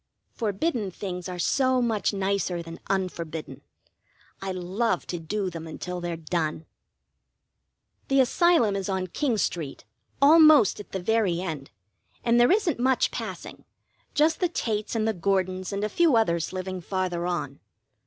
Forbidden things are so much nicer than unforbidden. I love to do them until they're done. The Asylum is on King Street, almost at the very end, and there isn't much passing, just the Tates and the Gordons and a few others living farther on.